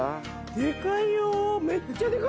でかいよ。